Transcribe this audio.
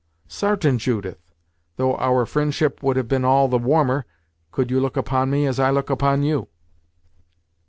"Sartain, Judith; though our fri'ndship would have been all the warmer, could you look upon me as I look upon you."